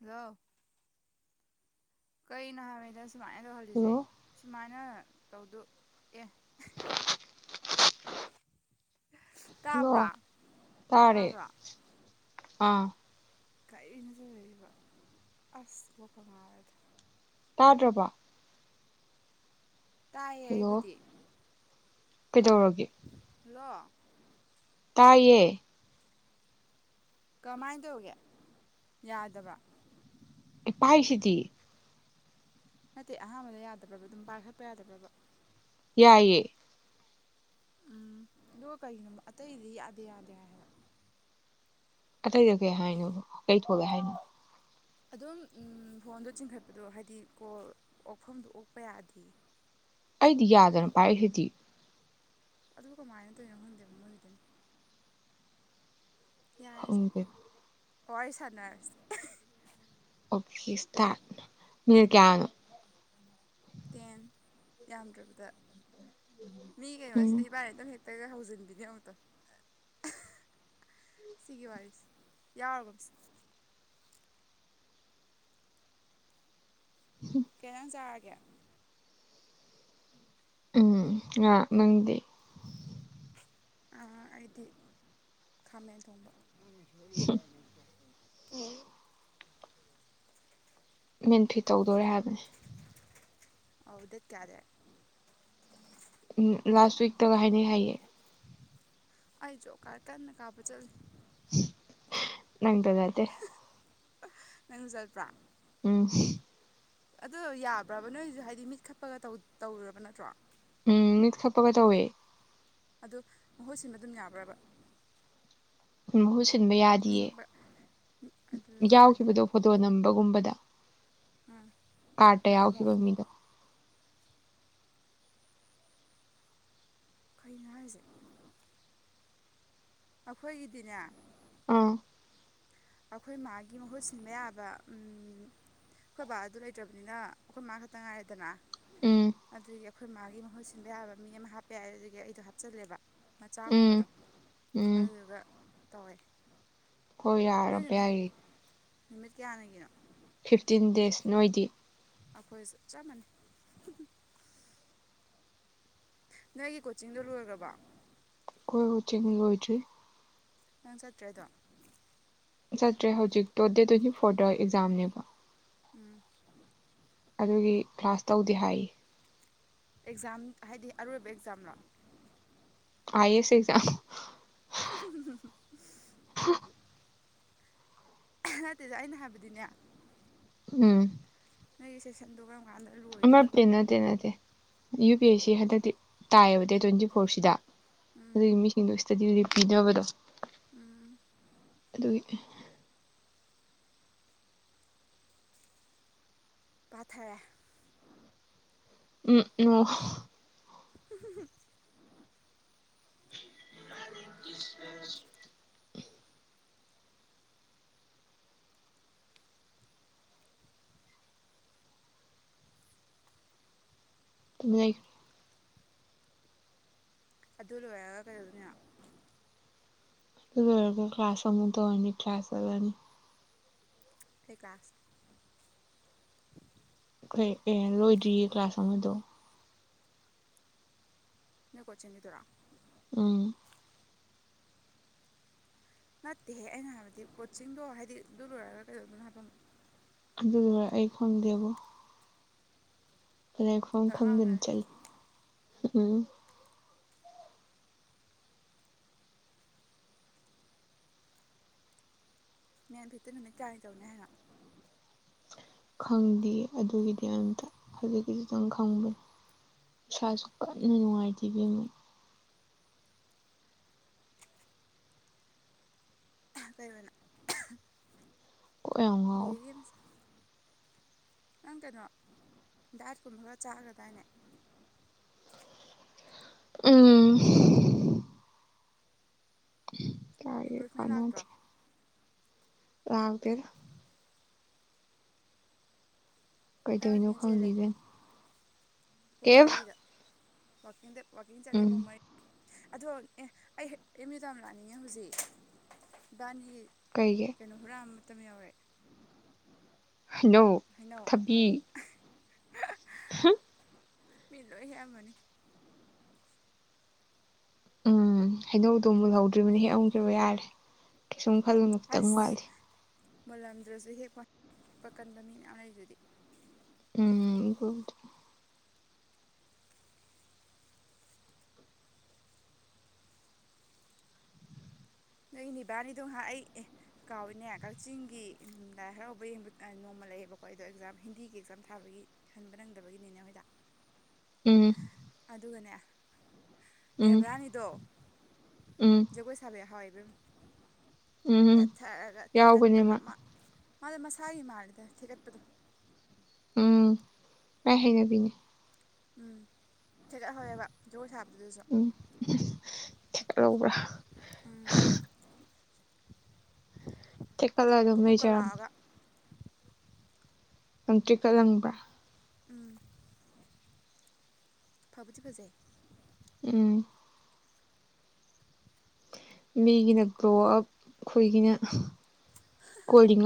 Hello ꯀꯩꯅꯣ ꯍꯥꯏꯕꯅꯤꯗ ꯁꯨꯝꯃꯥꯢꯅ ꯇꯧꯍꯜꯂꯤꯁꯦ ꯍꯜꯂꯣ ꯁꯨꯃꯥꯢꯅ ꯇꯧꯗꯨ ꯑꯦ ꯍꯂꯣ ꯇꯥꯕ꯭ꯔꯥ ꯇꯥꯔꯦ ꯇꯥꯕ꯭ꯔꯥ ꯑꯥ ꯀꯔꯤꯅꯣ ꯇꯧꯔꯩꯁꯤꯕꯨ ꯑꯁ ꯀꯣꯛꯀ ꯉꯥꯎꯔꯦꯗ ꯇꯥꯗ꯭ꯔꯕꯣ ꯇꯥꯢꯌꯦ ꯍꯜꯂꯣ ꯑꯩꯕꯨꯗꯤ ꯀꯩꯗꯧꯔꯒꯦ ꯍꯜꯂꯣ ꯇꯥꯢꯌꯦ ꯀꯃꯥꯢ ꯇꯧꯒꯦ ꯌꯥꯗꯕ꯭ꯔ ꯑꯩ ꯄꯥꯢꯁꯤꯗꯤ ꯅꯠꯇꯦ ꯑꯍꯥꯟꯕꯗ ꯌꯥꯗꯕ꯭ꯔꯕ ꯑꯗꯨꯝ ꯄꯥꯢꯈꯠꯄ ꯌꯥꯗꯕ꯭ꯔꯕ ꯌꯥꯢꯌꯦ ꯎꯝ ꯑꯗꯨꯒ ꯀꯩꯒꯤꯅꯣꯕ ꯑꯇꯩꯒꯤꯗꯤ ꯌꯥꯗꯦ ꯌꯥꯗꯦ ꯍꯥꯏ ꯍꯥꯏꯕ ꯑꯇꯩꯗꯣ ꯀꯩ ꯍꯥꯢꯅꯣꯕ ꯀꯩ ꯊꯣꯛꯂꯑꯦ ꯍꯥꯢꯅꯣ ꯑꯗꯨꯝ ꯎꯝ ꯐꯣꯟꯗꯣ ꯆꯤꯡꯈꯠꯄꯗꯣ ꯍꯥꯏꯗꯤ ꯀꯣꯜ ꯑꯣꯛꯐꯝꯗꯣ ꯑꯣꯛꯄ ꯌꯥꯗꯦ ꯑꯩꯗꯤ ꯌꯥꯗꯅ ꯄꯥꯢꯔꯤꯁꯤꯗꯤ ꯑꯗꯨꯕꯨ ꯀꯃꯥꯢꯅ ꯇꯧꯔꯤꯅꯣ ꯈꯪꯗꯦꯕ ꯃꯣꯢꯒꯤꯗꯨꯅ ꯌꯥꯔꯦꯁꯦ ꯈꯪꯗꯦ ꯍꯣ ꯑꯩ ꯁꯥꯟꯅ [unintelligible] ꯑꯣꯛꯈꯦ ꯁꯇ꯭ꯔꯠ ꯃꯤꯅꯠ ꯀꯥꯌꯥꯅꯣ ꯇꯦꯟ ꯌꯥꯝꯗ꯭ꯔꯕꯗ ꯃꯤ ꯎꯝ ꯀꯩꯅꯣꯁꯤꯗ ꯏꯕꯥꯟꯅꯤ ꯑꯗꯨꯝ ꯍꯦꯛ ꯇꯩꯅꯍꯧꯖꯤꯟꯕꯤꯅꯤ ꯌꯦꯡꯉꯨ ꯇꯨ ꯁꯤꯒꯤ ꯋꯥꯔꯤꯁꯤ ꯌꯥꯎꯔꯒꯨꯝꯁꯤ ꯀꯩ ꯏꯟꯖꯥꯡ ꯆꯥꯔꯒꯦ ꯎꯝ ꯉꯥ ꯅꯪꯗꯤ ꯑꯥ ꯑꯩꯗꯤ꯬꯬꯬꯬꯬ꯈꯥꯃꯦꯟ ꯊꯣꯡꯕ ꯅꯪꯅ ꯁꯣꯢꯔꯤꯔ ꯑꯃꯨꯛ ꯇꯥꯛꯑꯣ ꯃꯦꯟꯐꯤꯠ ꯇꯧꯗꯧꯔꯦ ꯍꯥꯏꯕꯅꯦ ꯑꯧ ꯗꯦꯠ ꯀꯌꯥꯗꯩ ꯎꯝ ꯂꯥꯁ ꯋꯤꯛꯇꯒ ꯍꯥꯏꯅꯩ ꯍꯥꯏꯌꯦ ꯑꯩ ꯖꯣꯞ ꯀ꯭ꯔꯥꯠ ꯀꯟꯅ ꯀꯥꯞꯄ ꯆꯠꯂꯤ ꯍꯨꯝ ꯍꯥ ꯅꯪꯇ ꯅꯠꯇꯦ ꯅꯪꯖꯨ ꯆꯠꯄ꯭ꯔꯥ ꯎꯝ ꯍꯝ ꯑꯗꯨꯗꯣ ꯌꯥꯕ꯭ꯔꯕ ꯅꯣꯢꯖꯨ ꯍꯥꯢꯗꯤ ꯃꯤꯠ ꯈꯞꯄꯒ ꯇꯧ ꯇꯧꯔꯨꯔꯕ ꯅꯠꯇ꯭ꯔꯣ ꯎꯝ ꯃꯤꯠ ꯈꯞꯄꯒ ꯇꯧꯋꯦ ꯑꯗꯨ ꯃꯍꯨꯠ ꯁꯤꯟꯕ ꯑꯗꯨꯝ ꯌꯥꯕ꯭ꯔꯕ ꯃꯍꯨꯠꯁꯤ ꯁꯤꯟꯕ ꯌꯥꯗꯤꯌꯦ ꯃꯤꯡꯕ ꯑꯗꯨ ꯀꯃꯥꯏꯅ ꯌꯥꯎꯈꯤꯕꯗꯣ ꯐꯣꯇꯣ ꯅꯝꯕꯒꯨꯝꯕꯗ ꯎꯝ ꯀꯥ꯭ꯔꯠꯇ ꯅꯍꯥꯟꯃꯨꯛ ꯌꯥꯎꯈꯤꯕ ꯃꯤꯗꯣ꯫ ꯀꯩꯅꫭ ꯍꯥꯏꯖꯦ ꯑꯩꯈꯣꯏꯒꯤꯗꯤꯅꯦ ꯑꯥ ꯑꯈꯣꯏ ꯃꯥꯒꯤ ꯃꯍꯨꯠ ꯁꯤꯟꯕ ꯌꯥꯕ ꯎꯝ ꯑꯈꯣꯏ ꯕꯥꯗꯣ ꯂꯩꯇ꯭ꯔꯥꯅꯤꯅ ꯑꯈꯣꯏ ꯃꯥ ꯈꯇꯪ ꯉꯥꯏꯔꯦꯗꯅꯥ ꯎꯝ ꯑꯗꯨꯏꯒꯤ ꯑꯈꯣꯏ ꯃꯥꯒꯤ ꯃꯍꯨꯠ ꯁꯤꯟꯕ ꯌꯥꯕ ꯃꯤ ꯑꯃ ꯍꯥꯄ ꯌꯥꯏ ꯑꯗꯨꯒꯤ ꯑꯩꯗꯣ ꯍꯞꯆꯜꯂꯦꯕ ꯎꯝ ꯃꯆꯥꯒꯨꯝꯕꯗꯣ ꯎꯝ ꯑꯗꯨꯗꯨꯒ ꯇꯧꯔꯦ꯫ ꯍꯣꯏ ꯌꯥꯔꯕ ꯌꯥꯏꯑꯦ꯫ ꯅꯨꯃꯤꯠ ꯀꯌꯥꯅꯤꯒꯤꯅꯣ꯫ ꯐꯤꯐꯇꯤꯟ ꯗꯦꯖ꯭ꯁ ꯅꯣꯏꯗꯤ꯫ ꯑꯈꯣꯏꯁꯨ ꯆꯞ ꯃꯥꯅꯩ ꯫ ꯅꯣꯏꯒꯤ ꯀꯣꯆꯤꯡꯗꯣ ꯂꯣꯏꯒꯕꯣ꯫ ꯑꯈꯣꯏ ꯀꯣꯆꯤꯡ ꯂꯣꯏꯗ꯭ꯔꯤ꯫ ꯅꯪ ꯆꯠꯇꯔꯦ ꯑꯗꯨꯝ ꯆꯠꯇ꯭ꯔꯦ ꯍꯧꯖꯤꯛꯇꯣ ꯗꯦꯠ ꯇ꯭ꯋꯦꯟꯇꯤꯐꯣꯔꯗ ꯑꯦꯛꯖꯝꯅꯦꯕ꯫ ꯎꯝ ꯑꯗꯨꯒꯤ ꯀ꯭ꯂꯥꯁ ꯇꯧꯗꯦ ꯍꯥꯏꯌꯦ꯫ ꯑꯧꯛꯖꯝ ꯍꯥꯏꯗꯤ ꯑꯔꯣꯏꯕ ꯑꯦꯛꯖꯝ ꯔꯣ꯫ ꯑꯥꯏ ꯑꯦꯁ ꯑꯦꯛꯖꯝ꯫ [unintelligible] ꯅꯠꯇꯦꯗ ꯑꯩꯅ ꯍꯥꯏꯕꯗꯤꯅꯦ ꯎꯝ [unintelligible] ꯂꯣꯏꯗꯣꯏꯅꯣꯕ ꯑꯃꯇꯦ ꯅꯠꯇꯦ ꯅꯠꯇꯦ꯫ ꯌꯨ ꯄꯤ ꯑꯦꯁ ꯁꯤ ꯍꯟꯗꯛꯇꯤ ꯇꯥꯏꯌꯦꯕ ꯗꯦꯠ ꯇ꯭ꯋꯦꯟꯇꯤ ꯐꯣꯔ ꯁꯤꯗꯥ꯫ ꯎꯝ ꯑꯗꯨꯏ ꯃꯤꯁꯤꯡꯗꯣ ꯑꯗꯨꯒꯤ ꯄꯤꯗꯕꯗꯣ꯫ ꯎꯝ ꯑꯗꯨꯒꯤ ꯄꯥꯊꯔꯦ꯫ ꯎꯝ ꯎꯝ [unintelligible] [unintelligible] [unintelligible] ꯑꯗꯨ ꯂꯣꯏꯔꯒ ꯀꯩꯗꯧꯗꯣꯏꯅꯣ꯫ ꯑꯗꯨꯔꯣꯏꯔꯒ ꯀ꯭ꯂꯥꯁ ꯑꯃꯨꯛ ꯇꯧꯔꯅꯤ ꯀ꯭ꯂꯥꯁ ꯆꯠꯂꯅꯤ꯫ ꯀꯩ ꯀ꯭ꯂꯥꯁ ꯀꯩ ꯑꯦ ꯂꯣꯏꯗ꯭ꯔꯤꯌꯦ ꯀ꯭ꯂꯥꯁ ꯑꯃꯗꯣ꯫ ꯅꯣꯏ ꯀꯣꯆꯤꯡꯒꯤꯗꯨꯔꯣ꯫ ꯎꯝ꯫ ꯅꯠꯇꯦꯍꯦ ꯑꯩꯅ ꯍꯥꯏꯕꯗꯤ ꯀꯣꯆꯤꯡꯗꯣ ꯍꯥꯏꯗꯤ ꯑꯗꯨ ꯂꯣꯏꯔꯒ ꯀꯩꯗꯧꯗꯣꯏꯅꯣ ꯍꯥꯏꯕ ꯑꯃꯨꯛ꯫ ꯑꯗꯨ ꯂꯣꯏꯔ ꯑꯩ ꯈꯪꯗꯦꯕꯣ꯫ ꯄꯥꯂꯦꯞꯐꯝ ꯈꯪꯗꯅ ꯉꯥꯎꯅꯔꯦ ꯆꯠꯂꯤ꯫ ꯎꯝ꯫ ꯃꯦꯟꯐꯤꯠ ꯇꯤ ꯅꯨꯃꯤꯠ ꯀꯌꯥꯅꯤ ꯇꯧꯅꯤ ꯍꯥꯏꯅꯣ꯫ ꯈꯪꯗꯤꯌꯦ ꯑꯗꯨꯒꯤꯗꯤ ꯑꯩꯝꯇ ꯍꯧꯖꯤꯛꯀꯤꯗꯨꯗꯪ ꯈꯪꯕꯅꯦ ꯏꯁꯥꯁꯨ ꯀꯟꯅ ꯅꯨꯡꯉꯥꯏꯇꯦ ꯏꯕꯦꯃ꯫ [inaudible] ꯀꯣꯛ ꯌꯥꯝ ꯉꯥꯎꯋꯦ ꯕꯦꯔꯤꯝꯁ ꯅꯪ ꯀꯩꯅꫭ ꯗꯥꯠꯀꯨꯝꯕ ꯈꯔꯆꯥꯈꯔꯗꯥꯏꯅꯦ꯫ ꯝꯝꯝ ꯀꯥꯏꯗꯩ ꯏꯝꯄ꯭ꯔꯨꯚꯃꯦꯟ ꯂꯥꯛꯇ꯭ꯔꯣ ꯀꯥꯅꯗꯦ꯫ ꯂꯥꯛꯇꯦꯗ꯫ ꯑꯩ ꯀꯩꯗꯧꯏꯅꫭ ꯋꯥꯛꯀꯤꯡ ꯈꯪꯗꯦ ꯆꯦꯜꯂꯦ ꯏꯕꯦꯝ꯫ ꯄꯨꯡ ꯃꯔꯤꯗ꯫ [unintelligible] ꯋꯥꯜꯀꯤꯡ ꯆꯠꯂꯦ ꯎꯝ ꯄꯨꯡ ꯃꯔꯤ ꯑꯗꫭ ꯑꯦ ꯑꯩ ꯑꯦꯝ ꯌꯨ ꯇꯝ ꯂꯥꯛꯅꯤꯡꯉꯦ ꯍꯧꯖꯤꯛ ꯏꯕꯥꯅꯤ ꯀꯩꯒꯤ ꯀꯩꯅꫭ ꯍꯨꯔꯥꯝ ꯇꯝ ꯌꯧꯔꯦ꯫ ꯍꯩꯅꯧ ꯍꯩꯅꯧ ꯎꯝ ꯊꯕꯤ꯫ ꯍꯝ꯫ ꯃꯤ ꯂꫭꯏ ꯍꯦꯛꯑꯝꯑꯅꯤ꯫ ꯎꯝ ꯍꯩꯅꯧꯗꯨ ꯃꯨꯜꯍꯧꯗ꯭ꯔꯤꯕꯅꯤ ꯍꯦꯛꯑꯝꯒꯤꯕ ꯌꯥꯔꯦ꯫ ꯁꯨꯝ ꯈꯜꯂꯨꯅꯨ ꯈꯤꯊꯪ ꯑꯁ ꯋꯥꯠꯂꯤ꯫ ꯃꯨꯜꯂꯝꯗ꯭ꯔꯁꯨ ꯍꯦꯛꯄ ꯄꯛꯀꯟꯕ ꯃꯤ ꯃꯌꯥꯝ ꯂꯩꯗꯨꯗꯤ꯫ ꯝꯝ ꯅꫭꯏ ꯅꯤꯕꯥꯅꯤꯗꯨ ꯉꯍꯥꯛ ꯑꯩ ꯀꯥꯎꯏꯅꯦ ꯀꯥꯛꯆꯤꯡꯒꯤ ꯂꯥꯏ ꯍꯔꯥꯎꯕ ꯌꯦꯡꯕ ꯑ ꯅꫭꯡꯃ ꯂꯩꯌꯦꯕꯀꫭ ꯑꯗꫭ ꯍꯤꯟꯗꯤꯒꯤ ꯑꯦꯛꯖꯥꯝ ꯊꯥꯕꯒꯤ ꯍꯟꯕ ꯅꯪꯗꯕ ꯅꯦꯅꯦ ꯍꫭꯏꯗ꯫ ꯝꯝ ꯑꯗꯨꯒꯅꯦ ꯎꯝ ꯅꯦꯕ꯭ꯔꯥꯅꯤꯗꫭ ꯎꯝ ꯖꯒꫭꯏ ꯁꯥꯕ ꯌꯥꯎꯍꯧꯑꯦ꯫ ꯝ ꯎꯝ ꯀꯦꯊꯔꯒ ꯌꯥꯎꯕꯅꯦ ꯊꯦꯀꯠꯇꯅ ꯃꯥ ꯃ ꯃꯥꯗꫭ ꯃꯁꯥꯒꯤ ꯃꯥꯜꯂꯤꯗ ꯊꯦꯀꯠꯄꯗꯨ꯫ ꯝꯝ ꯃꯥꯏ ꯍꯩꯅꯕꯤꯅꯦ꯫ ꯝꯝ ꯊꯦꯀꯠꯍꯧꯑꯦꯕ ꯖꯒꫭꯏ ꯁꯥꯕ ꯗꯨꯗꯁꯨ ꯊꯦꯀꯠꯑꯧ [unintelligible] ꯊꯦꯀꯠꯂꯒ ꯕꯨꯞ ꯕꯨꯞꯀ ꯃꯩꯆꯔꯝ꯫ ꯂꯥꯎꯔꯒ ꯂꯪꯇ꯭ꯔꯤꯛꯀ ꯂꯪꯕ꯭ꯔꯥ꯫ ꯎꯝ ꯐꯕꯨꯗꯤ ꯐꯖꯩ꯫ ꯎꯝ ꯃꯤꯒꯤꯅ ꯒ꯭ꯔꯣꯋ ꯑꯞ ꯑꯈꯣꯏꯒꯤꯅ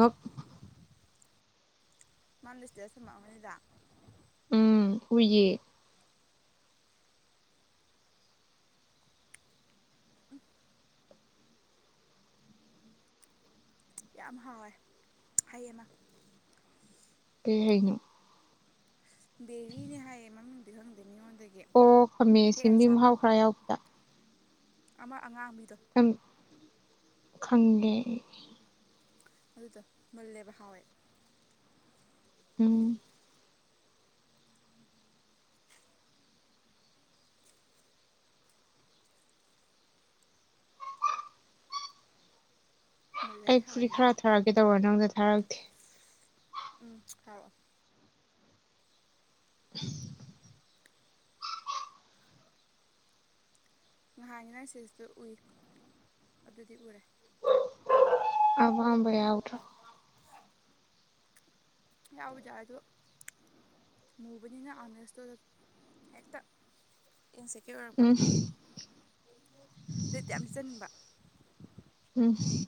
[unintelligible] ꯃꯅꯥ [unintelligible] ꯎꯝ ꯎꯏꯌꯦ ꯌꯥꯝ ꯍꯥꯎꯑꯦ ꯍꯩ ꯑꯃ ꯀꯩ ꯍꯩꯅꯣ ꯕꯦꯔꯤꯅꯤ ꯍꯥꯏꯌꯦ ꯃꯃꯤꯡ [unintelligible] ꯑꯣ ꯈꯥꯃꯦꯟꯁꯤꯟꯒꯤ ꯃꯍꯥꯑꯣ ꯈꯔ ꯌꯥꯑꯣꯕꯥꯗꯣ ꯑꯃꯥ ꯑꯉꯥꯕꯤꯗꯨ ꯈꯟꯒꯦ ꯑꯗꯨꯗꯣ ꯃꯨꯂꯦꯕ ꯍꯥꯎꯌꯦ ꯎꯝ ꯑꯩ ꯃꯨꯜꯂꯗꯤ ꯐꯨꯔꯤꯠ ꯍꯥꯎꯋꯤꯅꯦꯁꯦ ꯈꯔ ꯊꯔꯀꯦ ꯇꯧꯔ ꯅꯉꯣꯟꯗ ꯊꯔꯛꯇꯦ ꯎꯝ ꯍꯥꯏꯔꯛꯑꯣ [inaudible] ꯅꯥꯍꯟꯒꯤ ꯅꯥꯟꯒꯤ ꯁꯇꯦꯁꯠꯇꯣ ꯎꯏ ꯑꯗꯨꯗꯤ ꯎꯔꯦ ꯑꯄꯥꯝꯕꯥ ꯌꯥꯎꯗꯔꯣ ꯌꯥꯎꯏꯗ ꯑꯗꯨ ꯃꯨꯕꯅꯤꯅ ꯑꯔꯃꯂꯦꯁꯠꯇꯨ ꯍꯦꯛꯇ ꯏꯟꯁꯦꯀ꯭ꯌꯣꯔ ꯑꯣꯏꯔꯛꯄ ꯎꯝ ꯎꯝ [unintelligible]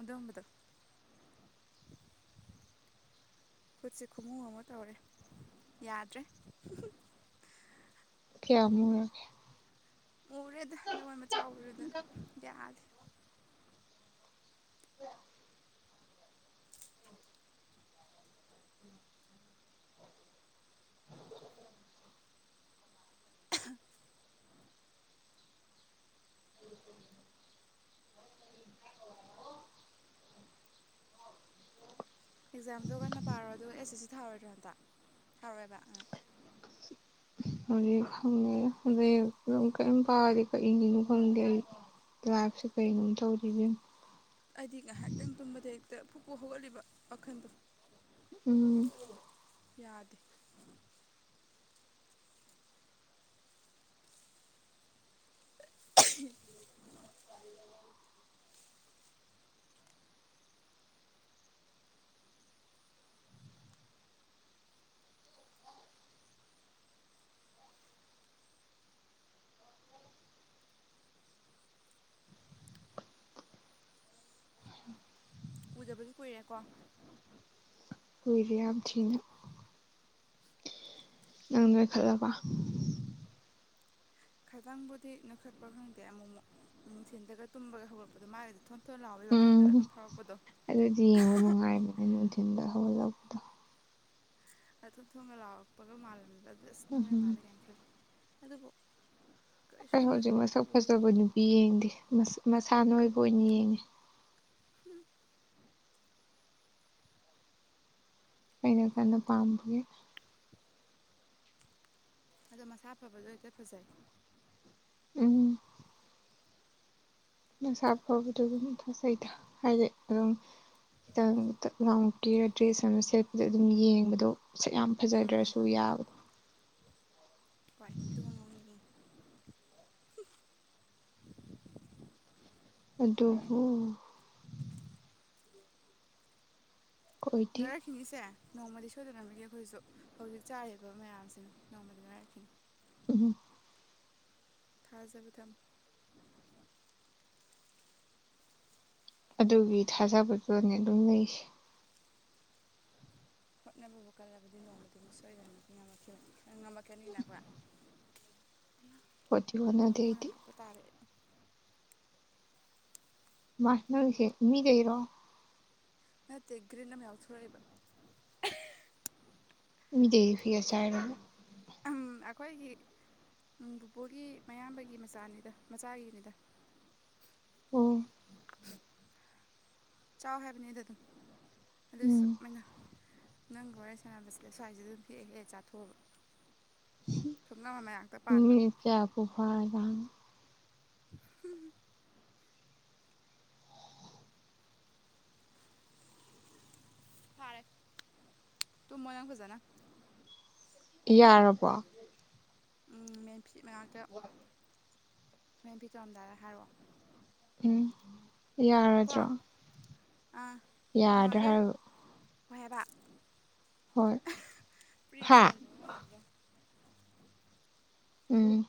ꯑꯗꯨꯝꯕꯗꯣ ꯈꯨꯠꯁꯤ ꯈꯨꯃꯨ ꯑꯃ ꯇꯧꯔꯦ ꯌꯥꯗꯔꯦ ꯀꯌꯥꯃꯨꯛꯔꯒꯦ ꯃꯨꯔꯦꯗ ꯂꯋꯥꯏ ꯃꯆꯥ ꯑꯣꯏꯔꯨꯗꯅ [unintelligible] ꯌꯥꯗꯦ [inaudible] [inaudible] ꯑꯀꯖꯝꯗꯨ ꯀꯥꯅ ꯄꯔꯣ ꯑꯗꯨꯒ ꯑꯏ ꯑꯏ ꯁꯤ ꯊꯔꯣꯏꯗꯔꯣ ꯍꯟꯗꯀ ꯊꯥꯔꯣꯏꯕ [unintelligible] ꯑꯩꯗꯤ ꯉꯥꯏꯍꯛꯇꯪ ꯇꯨꯝꯕꯗ ꯍꯦꯛꯠ ꯐꯨꯛ ꯐꯨꯛ ꯍꯧꯒꯠꯂꯤꯕ ꯋꯥꯈꯜꯗꯣ ꯎꯝ ꯌꯥꯗꯦ [inaudible] ꯎꯗꯕꯁꯨ ꯀꯨꯏꯔꯦ ꯀꯣ ꯀꯨꯏꯔꯦ ꯌꯥꯝ ꯊꯤꯟ ꯅꯪ ꯅꯣꯏꯈꯠꯂꯕ꯭ꯔꯥ ꯀꯤꯗꯥꯪꯕꯨꯗꯤ ꯅꯣꯏꯈꯠꯄꯔꯥ ꯈꯪꯗꯦ ꯑꯃꯨ ꯃꯨꯛꯄꯨꯗꯤ ꯅꯨꯊꯤꯟꯗꯒ ꯇꯨꯝꯕ ꯍꯧꯒꯠꯂꯛꯞꯗ ꯃꯥꯏꯒ ꯊꯣꯜ ꯊꯣꯅ ꯂꯑꯣꯋꯤ ꯋꯈꯟꯗ ꯎꯝ ꯑꯗꯨꯝ ꯐꯥꯑꯣ ꯑꯗꯨꯗꯤ ꯌꯦꯡꯕ ꯅꯨꯡꯉꯥꯏꯔꯃꯅꯤ [unintelligible] [unintelligible] ꯑꯁ ꯅꯣꯏꯔꯥ ꯎꯝꯍꯝ ꯃꯥꯜꯂꯦ ꯀꯥꯏ ꯈꯜꯂꯦ ꯑꯗꯨꯕꯨ ꯀꯩꯁꯨ ꯑꯪ ꯍꯧꯖꯤꯛ ꯅꯣꯏꯈꯠꯄꯗꯤ ꯃꯁꯛ ꯑꯣꯏꯗ ꯐꯖꯕ ꯅꯨꯄꯤ ꯌꯦꯡꯗꯦ ꯃꯁꯥꯅꯣꯏꯕ ꯑꯣꯏ ꯌꯦꯡꯉꯤ [inaudible] ꯑꯩꯅꯣꯏꯈꯠꯄ ꯄꯥꯝꯕꯒꯤ ꯑꯗꯣ ꯃꯁꯥ ꯐꯕꯗꯣ ꯍꯦꯛꯇ ꯐꯖꯩ ꯎꯝ ꯃꯁꯥ ꯐꯕꯗꫭ ꯑꯗꯨꯝ ꯐꯖꯩꯗ ꯍꯥꯏꯗꯤ ꯑꯗꯨꯝ ꯈꯤꯇꯪ ꯗꯛ ꯂꯥꯎꯅ ꯀꯦꯔꯒ ꯗ꯭ꯔꯦꯖ ꯑꯃ ꯁꯦꯠꯄꯗ ꯑꯗꯨꯝ ꯌꯦꯡꯕꯗꯣ ꯁꯛ ꯌꯥꯝ ꯎꯝ ꯐꯖꯗ꯭ꯔꯁꯨ ꯌꯥꯕ ꯍꫭꯏ [unintelligible] ꯑꯗꯨꯕꯨ ꯑꯣꯏꯗꯦ [unintelligible] ꯅꯣꯡꯃꯗꯤ ꯁꯣꯏꯗꯅꯃꯛꯀꯤ ꯑꯩꯈꯣꯏꯁꯨ ꯍꯩꯖꯤꯛ ꯆꯥꯔꯤꯕ ꯃꯌꯥꯝꯁꯤꯅ ꯅꯣꯡꯃꯗꯤ ꯅꫭꯏꯔꯛꯈꯤꯅꯤ ꯎꯝ ꯊꯥꯖꯕ ꯊꯝꯃꯨ ꯑꯗꯨꯒꯤ ꯊꯥꯖꯕꯗꯨꯅꯅꯦ ꯑꯗꯨꯝ ꯂꯩꯁꯦ ꯍꯣꯠꯅꯕꯕꯨ ꯀꯜꯂꯗꯤ ꯅꯣꯡꯃꯗꯤ ꯁꯣꯏꯗꯅꯃꯛꯀꯤ ꯉꯃꯛꯈꯤ ꯉꯃꯛꯀꯅꯤ ꯅ ꯑꯩꯈꫭꯏ [unintelligible] ꯏꯃ ꯅꯣꯏꯁꯦ ꯃꯤꯗꯩꯔꯣ ꯅꯠꯇꯦ ꯒ꯭ꯔꯤꯟ ꯑꯃ ꯌꯥꯎꯊꯣꯡꯔꯛ ꯏꯕ [unintelligible] ꯑꯝ ꯑꯩꯈꯣꯏꯒꯤ ꯄꯨꯄꯨꯒꯤ ꯃꯌꯥꯝꯕꯒꯤ ꯃꯆꯥꯅꯤꯗ ꯃꯆꯥꯒꯤꯅꯤꯗ ꯑꯣ ꯆꯥꯎ ꯍꯥꯏꯕꯅꯤꯗ ꯑꯗꯨꯝ ꯑꯗꯨꯏꯁꯨ ꯎꯝ ꯑꯃꯅ ꯅꯪꯒ ꯋꯥꯔꯤ ꯁꯥꯅꯕꯁꯤꯗ ꯁ꯭ꯋꯥꯏꯁꯤꯗ ꯍꯦꯛꯑ ꯍꯦꯛꯑ ꯆꯥꯊꯣꯛꯑꯕ ꯊꯣꯡꯅꯝ ꯃꯌꯥꯛꯇ ꯄꯥꯟꯕ ꯃꯤꯅꯠ ꯀꯌꯥꯕꯨ ꯐꯥꯔꯖꯥꯠꯅꯣ ꯐꯥꯔꯦ ꯇꯨꯝꯃꯣ ꯅꯪ ꯐꯖꯅ ꯌꯥꯔꯕꯣ ꯎꯝ ꯐꯦꯟ ꯃꯅꯥꯛꯇ ꯍꯧꯔꯦꯟ ꯐꯤ ꯇꯧꯔꯝꯗꯥꯏꯗ ꯍꯥꯏꯔꯛꯑꯣ ꯎꯝ ꯌꯥꯔꯗ꯭ꯔꯣ ꯑ ꯊꯝꯃꯒꯦ ꯍꯣꯏ ꯍꯥꯏꯕ ꯍꯣꯏ [unintelligible] ꯄ꯭ꯔꯤ ꯍꯥ ꯄ꯭ꯂꯥꯟ ꯇꯧꯕ ꯃꯥꯜꯂꯗ꯭ꯔ‌ꯣ ꯎꯝ